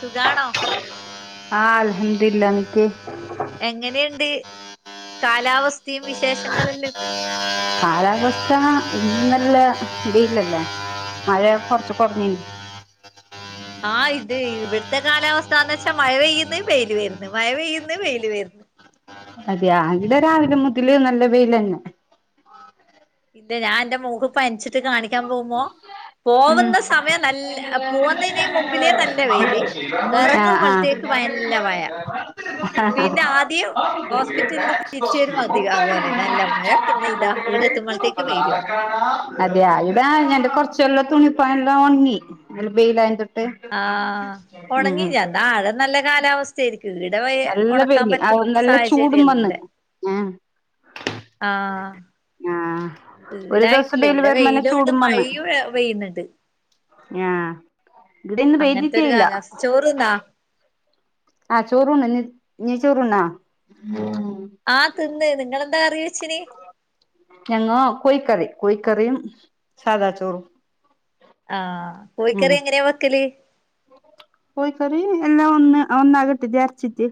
സുഖാണോ ആ അൽഹം ദിലില്ല നിക്ക് എങ്ങനെയുണ്ട് കാലാവസ്ഥയും വിശേഷങ്ങളെല്ലാം കാലാവസ്ഥ ഇന്നല്ല ഇടയിലല്ലേ മഴയൊക്കെ കൊറച്ചു കൊറഞ്ഞിനി ആഹ് ഇത് ഇവിടുത്തെ കാലാവസ്ഥാന്ന് വെച്ചാൽ മഴ പെയ്യുന്നു വെയില് വരുന്നു മഴ പെയ്യുന്നു വെയില് വരുന്നു അതെ അതിവിടെ രാവിലെ മുതല് നല്ല വെയിൽ തന്നെ ഇല്ല ഞാൻ എന്റെ മോൾക്ക് പനിച്ചിട്ട് കാണിക്കാൻ പോകുമ്പോ ഉം. പോകുന്ന സമയം നല്ല പോകുന്നതിന് മുമ്പിലേ നല്ല വേയില് ആ ആ ഇറങ്ങുമ്പോൾത്തെ നല്ല മഴ പിന്നെ ആദ്യം ഹോസ്പിറ്റലിൽ തിരിച്ച് വരു അതുപോലെ നല്ല മഴ പിന്നെ ഇതാ വീടെത്തുമ്പോഴത്തേ അതെയാ ഇതാണ് കൊറച്ച് ചെല്ല തുണിപ്പ എല്ലാം ഉണ്ണി നല്ല ബെയിയിലട്ട് ആഹ് ഉണങ്ങി എന്നാ അഴ നല്ല കാലാവസ്ഥ ശരിക്കും ഇവിടെ നല്ല ഉണക്കാൻ വെയില് ആ പറ്റുന്ന നല്ല ചൂടും സാഹചര്യം വന്ന് ഉള്ളെ ആഹ് ആഹ് ആഹ് ഒരു ദിവസം ഈടായിട്ടില്ല വെയില് ഇവിടെ വരുമ്പന്നെ വെയിലും ഉണ്ട് ചൂടും മഴ വന്ന് പെയ്യുന്നുണ്ട് ആഹ് ഇവിടെ ഇന്ന് പെയ്യ്തിട്ടേയില്ല ചോറുതിന്നാ ആ ചോറുണ്ട് നീ ചോറുതിന്നാ ആഹ് തിന്ന് നിങ്ങളന്താ കറി വെച്ചിനി ഞങ്ങള് കോഴിക്കറി കോഴിക്കറിയും സാദാ ചോറും ആഹ് ഉം കോഴിക്കറി എങ്ങനെയാ വെക്കല് കോഴിക്കറി എല്ലാം ഒന്ന് ഒന്നായി എടുത്തിട്ട് വേവിച്ചിട്ട്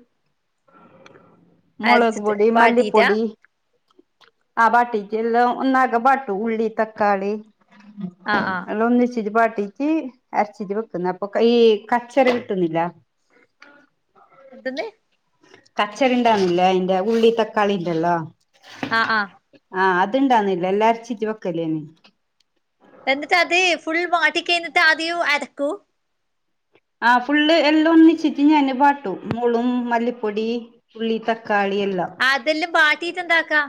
മുളക് അരച്ചിട്ട് പൊടി വാട്ടീട്ടാ മല്ലിപ്പൊടി ആഹ് ബാട്ടിച്ചല്ലാം ഒന്നാകെ ബാട്ടു ഉള്ളി തക്കാളി ആഹ് ആഹ് ഒന്നിച്ച് ഇത് വാട്ടിട്ട് അടച്ച് വെക്കുന്ന അപ്പം ഒക്കെ ഈ കച്ചറ കിട്ടുന്നില്ല എന്തോന്ന് കച്ചറി ഉണ്ടന്നില്ലേ അതിന്റെ ഉള്ളി തക്കാളിണ്ടല്ലോ ആഹ് ആഹ് ആഹ് അതുണ്ടാന്നില്ല എല്ലാരും അരചിട്ട് വെക്കല്ലേയ് നി എന്നിട്ട് അതേ ഫുൾ വാട്ടി കഴിഞ്ഞിട്ട് ആദ്യം അടക്കൂ ആഹ് ഫുള്ള് എല്ലാം ഒന്നിച്ചിട്ട് ഞാന് പാട്ടു മുളും മല്ലിപ്പൊടി ഉള്ളി തക്കാളി എല്ലാം അതെല്ലാം പാട്ടീട്ട് എന്താക്കാ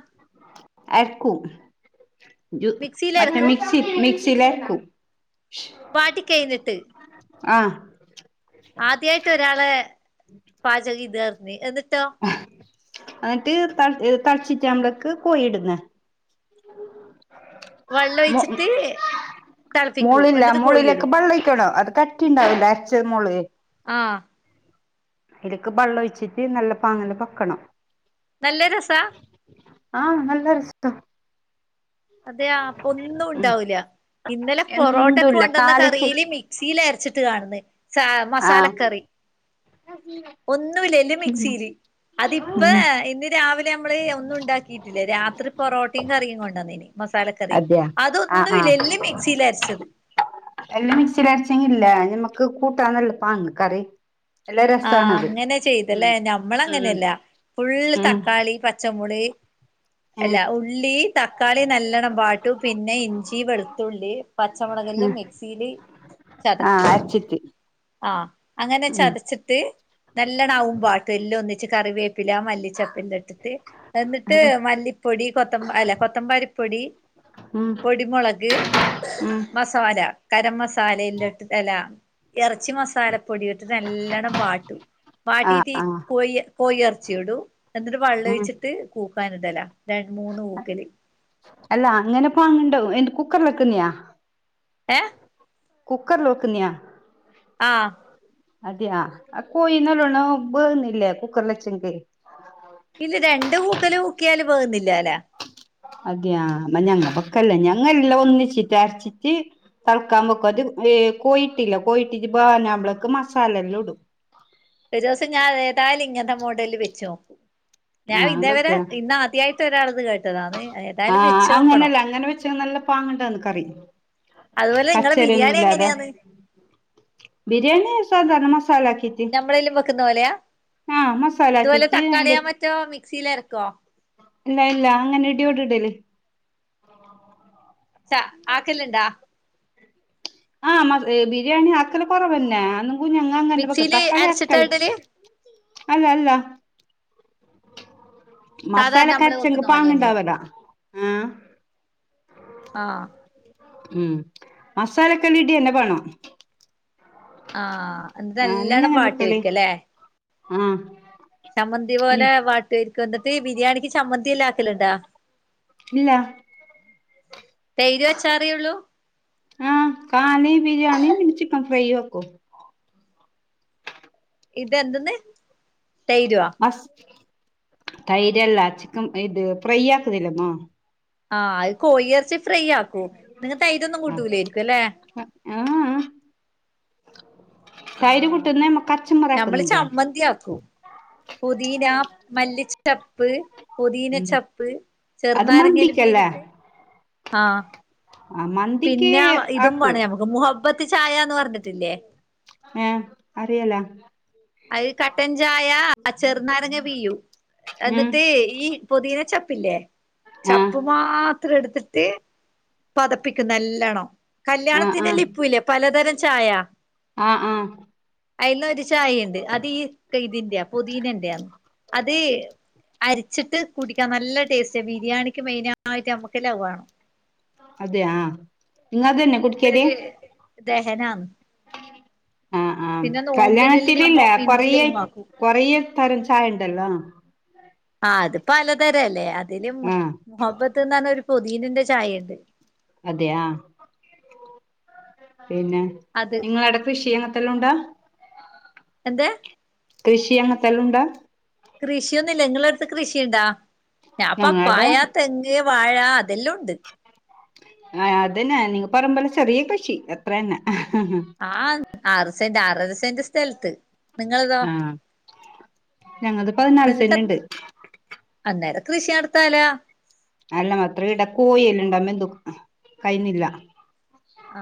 അർക്കും ജു മറ്റെ മിക്സിയിലരക്കും മിക് മിക്സിയിലരക്കും വാട്ടി കഴിഞ്ഞിട്ട് ആഹ് ആദ്യായിട്ട് ഒരാളെ പാചകം ഇതാർന്ന് എന്നിട്ടോ എന്നിട്ട് ത തളിച്ചിട്ടാ നമ്മളിക്ക് കോഴി ഇടുന്നേ വെള്ളം ഉ മൂ ഒഴിച്ചിട്ട് തിളപ്പിക്കൂ മൂളില്ല എന്നിട്ട് കോഴിയിടും മൂളിലേക്ക് ബള്ള ഒയിക്കണം അത് കട്ട പറ്റിണ്ടാവില്ല അരച്ഛ മെള് ആഹ് ഇലൊക്ക് വെള്ളം ഒഴിച്ചിട്ട് നല്ല പാങ്ങല് പക്കണം നല്ല രെസാ ആഹ് നല്ലൊരിഷ്ട്ടാ അതെയ് ആ ഒന്നും ഉം ഉണ്ടാവില്ല ഇന്നലെ പൊറോട്ടക്ക് എന്തുല്ല കൊണ്ടുവന്ന കാലിച്ച് കറിയില് മി മിക്സില് അരച്ചിട്ട് കാണുന്നേ സാ ആഹ് മസാലക്കറി ഒന്നുമില്ല എല്ലെ മിക്സില് അതിപ്പ ഉം ഇന്ന് രാവിലെ നമ്മള് ഒന്നും ഉണ്ടാക്കിയിട്ടില്ല രാത്രി പൊറോട്ടയും കറിയും കൊണ്ടുവന്നീന് മസാലക്കറി അതെയ അതൊന്നും ആഹ് ഇല്ല ആഹ് എല്ലാം മിക്സിൽ അരച്ചത് എല്ലാം മിക്സിൽ അരചങ്കിൽ ഇല്ലേ നമ്മക്ക് കൂട്ടാന്ന് എളുപ്പാങ്ങ് കറി നല്ല ആഹ് രസാണത് അങ്ങനെ ഉം ചെയ്തല്ലേ ഞമ്മള് ഉം അങ്ങനെയല്ല ഫുള്ള് ഉം തക്കാളി പ പച്ചമുളി ഉം അല്ല ഉള്ളി ത തക്കാളി നല്ലണം വാട്ടും പിന്നെ ഇഞ്ചി വെളുത്തുള്ളി പച്ചമുളകില് മിക്സിയില് ചതക്കും ച്ചിട്ട് ആഹ് അങ്ങനെ ചതച്ചിട്ട് നേല്ലാണം ആകും വാട്ടും എല്ല ഒന്നിച്ച് കറി വേപ്പില മല്ലിച്ചപ്പിട്ട് എന്നിട്ട് ഉം മല്ലിപ്പൊടി കൊത്ത അല്ല കൊത്തമ്പാലിപ്പൊടി ഉം പൊടിമുളക് ഉം മസാല കരം മസാലെന്റെ എല ഇറച്ചി മസാലപ്പൊടി ഇട്ടിട്ട് നല്ലണ്ണം വാട്ടും ആഹ് വട്ടീട്ട് ആഹ് കോയി കോയി ഇറച്ചി ഇടും എന്നിട്ട് വള്ളം ഉം ഒഴിച് കൂക്കൻ ഇടലാ രണ്ട മൂന്ന് കൂക്കല് അല്ല അങ്ങനെ പാങ്ങണ്ടാ ല്ലാ കുക്കറിലെക്കുന്നെയാ ഏഹ് കുക്കർ ലോക്കുന്നിയാ ആഹ് അതെയെ കോയിന്നല്ലോണ്ണം വേബ്ന്നില്ലേ കുക്കറിൽ വെച്ച [unintelligible] ഇൽരണ്ട് കൂക്കല് കൂക്കിയാല് വേകുന്നില്ല അല്ലെ അതെയെ ഇന്നാ ഞങ്ങക്കെല്ലെ ഞങ്ങല്ലാം ഒന്നിച്ചിട്ട് അരച്ചിട്ട് തിളക്കാൻ വെക്കും അത് കോയി ഇട്ടില്ല കോയിട്ടി വ ഞ്ഞമ്മളക്ക് മസാലെല്ലാം ഇടും ഒരു ദിവസം ഞാൻ ഏതാലും ഇങ്ങനത്തെ മോഡല് വെച്ചോ നോക്കും ഞാൻ ആഹ് ഇന്നേ വെക്ക വരെ ഇന്ന ആദ്യായിട്ട് ഒരാളിത് കേട്ടതാണ് ഏതായാലും ആഹ് വെച്ച് നോക്കണം അങ്ങനെയല്ല അങ്ങനെ വെച്ച നല്ല പാങ്ങണ്ടാന്ന് കറി അതുപോലെ നിങ്ങളെ കച്ചറയൊന്നും ബിരിയാണി ഇല്ലാതെ എങ്ങനെയാന്ന് ബിരിയാണി സാധാരണ മസാലാകിറ്റ് [unintelligible] വെക്കുന്ന പോലെയ ഇതുപോലെ ആക്കിട്ട് അയിന്റെ തക്കാളിയാ മറ്റോ മിക്സിയില് അരക്കോ ഇല്ല ഇല്ല അങ്ങനെ ഇടിയോട് ഇടല് ആക്കെല്ലുണ്ടാ ആഹ് ബിരിയാണി ആക്കൽ കുറവ് അല്ലേ [unintelligible] അങ്ങന്റെ [unintelligible] മിക്സിയില് തക്കാളി അരച്ചിട്ടാ ആക്കൽ ഇടല് അല്ല അല്ല മസാല സാധാരണ നമ്മള് കരച്ചെങ്ങ് വെക്കുന്ന പാങ്ങണ്ടാവര പോലെന്നായിരിക്കും ആഹ് ആഹ് ഉം മസാലൊക്കെ [unintelligible] [unintelligible] ആഹ് എന്ത് ആ നിങ്ങ നല്ലവണ്ണം എങ്ങനെ വാട്ടി വെക്കല് വെക്കല്ലേ ആഹ സമ്മന്തി പോലെ തരിക്ക എന്നിട്ട്ഈ ബിരിയാണിക്ക് ചമ്മന്തില്ല ആാക്കലുണ്ടോ ഇല്ല തൈര് അച്ചാറിയുള്ളൂ ആഹ കാണ ബരിയാണിംപിന്നെ ചിക്കൻ ഫ്രൈ ആക്കും ഇതന്തെന്ന് തൈരുവാ തൈര്ല്ല ചിക്കൻ ഇത് ഫ്രൈ ആക്കുന്നല്ലമ്മോ ആഹ് അത് കോഴി ഇറച്ചി ഫ്രൈ ആക്കൂ നിങ്ങത്തെ തൈര് ഒന്നും കൂട്ടൂലായിരിക്കും അല്ലെ ആഹ് തൈര് കുട്ടുന്നമ്മ കച്ചമറ ആക്കുന്നില്ലേ ന്ത്യാകും പൊതിന മല്ലിച്ച ചപ്പ് പുതിീന ഉം ചപ്പ് അത് ചെറുനാരങ്കലും മന്തിക്കല്ലേ പിഞ്ഞിട്ട് ആ മ പിന്ന ഇതും വാണം ഞമ്മക്ക്. മുഹബത്ത് ചായന്ന് പറഞ്ഞിട്ടില്ലേ? ഏ അറിയല. അത് കട്ടൻ ചായ ചെറുനാരങ്ങ പീയും. ഉം എന്നിട്ട് ഈ പുതിന ചപ്പില്ലേ. ആഹ് ചപ്പും മാത്രം എടുത്തിട്ട് പതപ്പിക്കും നല്ലണം. ആഹ് കല്യാണത്തിനല്ല ഇപ്പല്ലേ, പലതരം ചായ. ആഹ ആഹ. അയില് ഒരു ചായ ഉണ്ട്. അത് ഈ തെയ്തിന്റെയാ പുതീനന്റെയാ. അത് അരിച്ചിട്ട് കുടിക്കാം നല്ല ടേസ്റ്റ്. ബിരിയാണിക്ക് മെയിന ആയിട്ട് നമ്മുക്ക് ലവ. അതെയാ. ഇങ്ങ അതെന്നെ കുടിക്കല്? ദഹനം. ആഹ ആഹ നോമ്പിനെല്ലാം ഞമ്മ കല്യാണത്തിനില്ലേ മിന്റ് കൊറയേ, ലൈമാക്കും കൊറെ തരം ചായ ഉണ്ടല്ലോ. ആ അത് പലതരം അല്ലേ. അതിലും ആഹ് മുഹബത്ത്ന്നറഞ്ഞ ഒരു പുതീനന്റെ ചായ ഉണ്ട്. അതെയാ. പിന്നെ, അത് നിങ്ങള ട കൃഷി അങ്ങനത്തെല്ലാം ഉണ്ടാ. എന്ത്? കൃഷി അങ്ങനത്തെല്ലാം ഉണ്ടാ? കൃഷിയൊന്നുമില്ല. ഇങ്ങള അടുത്ത് കൃഷിയുണ്ടാ. ഞാൻ ഞങ്ങടെ പപ്പായ, തെ ങ്ങ്, വാഴ അതെല്ലാം ഉണ്ട്. ആ അതന്നെ നിങ്ങ പറയാമ്പോല് ചെറിയ കൃഷി അത്ര തന്നെ. ആഹ് ആറ് സെന്റ് ആറര സെന്റ് സ്ഥലത്ത്. നിങ്ങളതോ ആഹ ഞങ്ങള്ക്ക് പതിനാല് നിങ്ങക്ക് സെന്റ്ണ്ട്. അന്നേരം കൃഷി നടത്താലാ. അല്ല, മാത്ര ഇടാ കോഴെല്ലാംണ്ടമ്പോ എന്തോ കഴുന്നില്ല ആ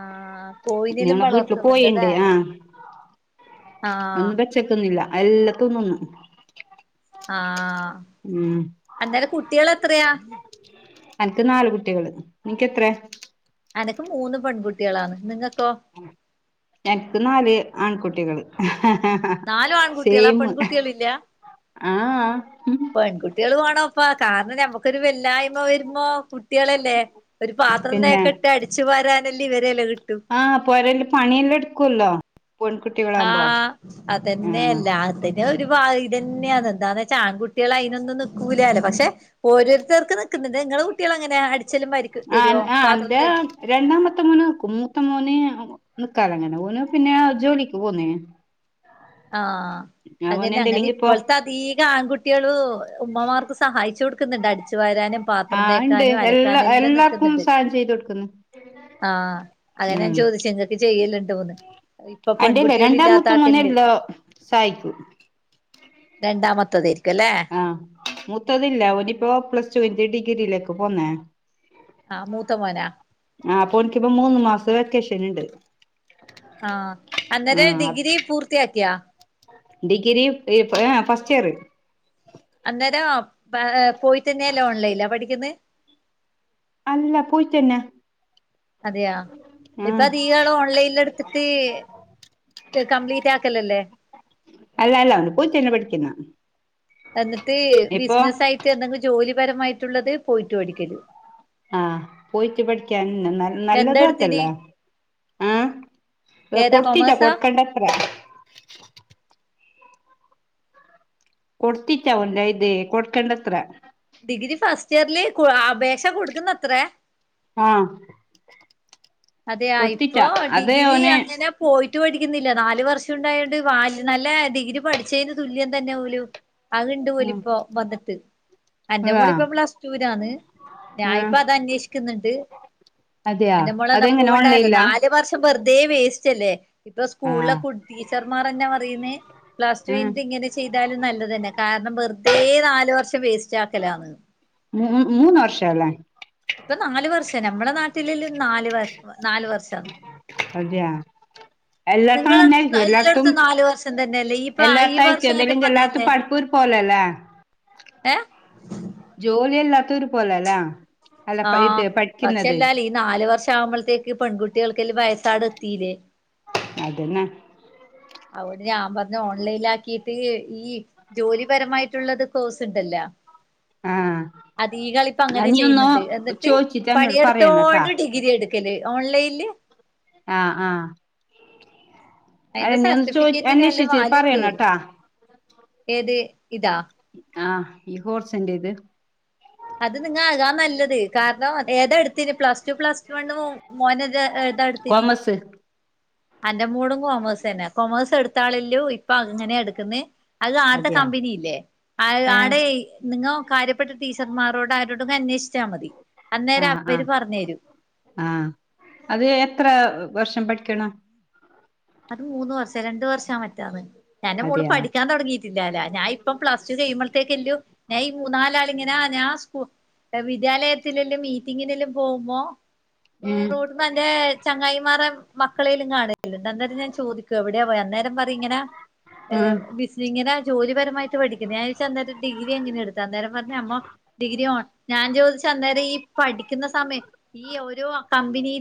കോയിനെലും ഞങ്ങളെ വീട്ടില് വളർത്തുന്നുണ്ടല്ലേ പോയിണ്ട്, ആഹ് ആ ഒന്നും പച്ചക്കൊന്നുംല്ല, എല്ലാ തിന്നുന്നു ആഹ്, ഉം എന്തായാലും കുട്ടിൾ എത്രയാ? എനിക്ക് നാല് കുട്ടികള്, നിനക്ക് എത്ര? എനക്ക് മൂന്ന് പെൺകുട്ട്യാളാണ് നിങ്ങക്കോ എനിക്ക് നാല് ആൺകുട്ടികള് ആഹ ഹ നാലു ഹ ആൺകുട്ടികളാ സേം പെൺകുട്ടികളില്ല ആഹ. പെൺകുട്ടികള് വേണോപ്പാ. കാരണം ഞമ്മ ക്കൊരു വെല്ലായ്മ വരുമ്പോ കുട്ടികളല്ലേ, ഒരു പാത്രം പിന്നെ തേക്കട്ടെ അടി ച്ചുവാരാനല്ലേ വെരേല് കിട്ടു ആഹ്, പൊരൽ പണിയെല്ലാം എടുക്കൂല്ലോ. പൊൺ കുട്ട്യൊ ആഹ് അതെന്നെയ എല്ലരുടേം ന്നൊരു [unintelligible] എന്താന്ന് വെച്ചാ ആൺകുട്ടികള് അതിനൊന്നും നിക്കൂല്ലല്ലോ പക്ഷേ ഓരോരുത്തർക്ക് നിക്കുന്നിണ്ട് ഇങ്ങളെ കുട്ട്യാൾ എങ്ങന്യാ അടിച്ചലും പരി ആഹ് ആഹ് ൻ്റെ രണ്ടാമത്തെ മൊനാക്കും മൂത്ത മോന് നിക്കാല്ലങ്ങനെ പോണ് ജോലിക്ക് പോന്നേ ആഹ് അവന് അതന്നെ എന്തെല്ലെങ്കി ഇപ്പൊ അങ്ങനിപ്പൊളത്തെ അതീകാൺകുട്ടിയളും ഉമ്മാമാർക്ക് സഹായിച്ചുകൊടുക്കുന്നുണ്ട് അടിച്ച് വാരാനും പാത്രം ആഹ് ഇണ്ട് തേക്കാനും എല്ലാ അലക്കാനെല്ലാ നിക്കുന്ന എല്ലാർക്കും ത്. സഹായം ചെയ്ത് കൊടുക്കുന്നു ആഹ് അതാ ഞാൻ ചോദിച്ചേ ങ്ങക്ക് ചെയ്യെലണ്ടോന്ന് അൻ്റെല്ലേ രണ്ടാമത്തെമോനെല്ലൊ സഹായിക്കൂ രണ്ടാമത്തതേരിക്കുല്ലേ ആ മൂത്തതില്ലാ ഓനിപ്പോ പ്ലസ്ടുവിട്ട് ഡിഗ്രീലേക്ക് പോന്നേ ആ മൂത്ത മോനാ ആഹ് അപ്പോനിക്കിപ്പം മൂന്നുമാസത്തെ വെക്കേഷെനൊണ്ട് ആഹ് അന്നേരെ ഡിഗ്രി പൂർത്തിയാക്കിയോ ഡിഗ്രി പി ആഹ് ഫസ്റ്റിയറ് അന്നേരം പോയി തന്നെയല്ലേ ഓൺലൈലാ പഠിക്കുന്നേ അല്ല പോയിട്ടെന്നാ അതെയോ ഇത്താതീകാളും ഓൺലൈനിലടച്ചിട്ട് കംപ്ലീറ്റാക്കലല്ലേ അല്ലാല്ലാ വൻപോയ് തന്നാ പഠിക്കുന്നേ എന്ന്ട്ട് ബിസ്നസായ്ട്ട് എന്തെങ്കു ജോലിപരമായ്ട്ടുള്ളത് പോയിട്ട് പഠിക്കലോ ആഹ് പോയിട്ട് പഠിക്കാനുണ്ട എന്താ എടുത്തിന് നല്ലതുംഅതല്ലേ ആഹ് ഏതാ കൊടുത്തീല്ല കൊമേഴ്സാ കൊടുക്കണ്ടപ്പറേ കൊടുത്തീററ ഓന്റ കയ്യില്കൊടുക്കണ്ടെത്രേ ഡിഗ്രി ഫസ്റ്റിയറിൽ കൊ ആപേക്ഷ കൊടുക്കുന്നത്രേ ആഹ് അതേ ആയിപ്പോ ഡിഗ്രി അങ്ങനെ പോയിട്ട് പഠിക്കുന്നില്ല നാല് വർഷൊണ്ടായോണ്ട് വാല് നല്ല ഡിഗ്രി പഠിച്ചേന് തുല്യം തന്നെ ഓലും അത്ണ്ട് ഓലിപ്പോ വന്ന്ട്ട് അന്റെ ആ മോളിപ്പം പ്ലസ്ടൂലാന്ന് ഞാ ആ ഇപ്പതന്വേഷിക്ക്ന്ന്ണ്ട് അതെയാ അതെ പോണ്ടാലോ നാല് വർഷം വെറ്തെ വേസ്റ്റല്ലേ ഇപ്പം ആ സ്കൂളിലെ കു ടീച്ചർ മാരെന്നെ ന്തൊയ്യ്ന്നേ [unintelligible] ആ ലാസ്റ്റ് [unintelligible] ഇങ്ങനെ ചെയ്താലും നല്ലതെന്നെ കാരണം വെറ്തെ നാല് വർഷം വേസ്റ്റാക്കലാന്ന് മൂ മൂന്ന് വർഷല്ലേ ഇപ്പം നാല് വർഷം നമ്മളെ നാട്ടിൽ ല് നാല് വർ നാല് വർഷം അതെയാ എല്ലാട്ത്തും നിങ്ങളടുത്ത് അങ്ങനായ്ര്ക്കും എല്ലാട്ത്തും എല്ലായിടത്തും നാല് വർഷം തന്നെയല്ലേ ഈ ഈ എല്ലാട്ത്തു വർഷമായിട്ടും അയ്ക്കും [unintelligible] വന്നല്ലേ പഠ്പ്പ് പോലലേ ഏഹ് ജോല്യല്ലാത്തൊരുപോലലാ അല്ല പൈ ആഹ് ത് പക്ഷെ പഠിക്കുന്നത് എല്ലാലും ഈ നാല് വർഷം ആവുമ്പോഴത്തേക്ക് പെൺകുട്ടികൾക്ക് വയസ്സാട് എത്തിയില്ലേ. അതെന്നെ. അവര് ഞാൻ പറഞ്ഞ് ഓൺലൈനാക്കീട്ട് ഈ ജോലിപരമായിട്ടുള്ളത് കോഴ്സ്ണ്ടല്ലോ ആഹ് അത് അധീകാളിപ്പങ്ങനെ നീ ഒന്ന് ചെയ്യ്ന്ന്ണ്ട് എന്നിട്ട് ചോദിച്ചിട്ട് എന്നോട് പറയണട്ടാ പണിയെടുത്തോണ്ട് ഡി ഗ്രി എട്ക്കല് ഓൺലൈല് ആഹ് ആഹ് അല്ല അയ്ന്റെ നീ ഒന്ന് ചോദി സർട്ടിഫിക്കറ്റിനാലും അന്വേഷിച്ചിട്ട് വാല്യുണ്ട്പോലും പറയണട്ടാ ഏത് ഇതോ ആഹ് ഈ കോഴ്സ്ന്റെത് അത് നിങ്ങ [unintelligible] നല്ലത്. കാരണം ഏതാ എടുത്തെന് പ്ലസ് ടു പ്ലസ് വണ്ണ് പോം മോനത് ജ എടുത്തനി. കോമേഴ്സ് അന്റെ മോളും കോമേഴ്സ് ന്നെ. കൊമേഴ്സ് എടുത്താളല്ലോ ഇപ്പൊ അങ്ങനെ എടുക്കന്നെ. അത് [unintelligible] അതെയാ കമ്പനിയില്ലേ. ആഹ് ഏഹ് ആടെ നിങ്ങ കാര്യപ്പെട്ട ടീച്ചർമാരോട് അരോട് അന്വേഷിച്ചാൽ മതി. അന്നേരം അവര് പറഞ്ഞു തരും. ആഹ അത് എത്ര വർഷം പഠിക്കണം? അത് മൂന്ന് വർഷം രണ്ടു വർഷ [unintelligible] എന്റെ മോള് അതെയാ പഠിക്കാൻ തുടങ്ങി ഇല്ലാല്ല. ഞാൻ ഇപ്പം പ്ലസ്ടു കഴിയുമ്പഴത്തേക്കല്ലു, ഞാ ഈ മൂന്നാലാളിങ്ങനാ ഞാ സ് വിദ്യാലയത്തിലല്ലും മീറ്റിങ്ങിനെല്ലും പോകുമ്പോ, ഏഹ് റോട്ട്മ ന്റെ ചങ്ങായിമാറെ മക്കളേലും കാണുണ്ട്, [unintelligible] ഞാൻ ചോദിക്കും എവിടെയാ പോയെർന്നെ. പറയും ഇങ്ങനാ ഏഹ് ആഹ് വി നിങ്ങനെ ജോലിപരമായിട്ട്ഠിക്ക ഞാഴച്ചാ അന്നേം ഡിഗി എങ്ങനെ എടുത്താ അേരം പറഞ്ഞ അമ്മ ഡിഗ്രി [unintelligible] ഞാൻ ചോദിച്ചന്നേരം ഈ പഠിക്കുന്ന സമയം ഈ ഓരോ കമ്പനിയില